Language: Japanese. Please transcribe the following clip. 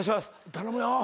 頼むよ。